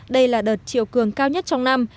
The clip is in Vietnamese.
đây là đợt chiều cường cao nhất trong năm